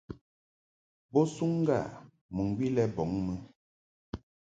Bo suŋ ŋga mɨŋgwi lɛ bɔŋ mɨ.